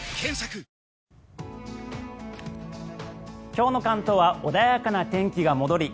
今日の関東は穏やかな天気が戻り